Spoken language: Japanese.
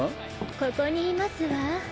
ここにいますわ。